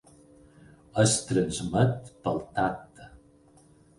Es transmet pel tacte.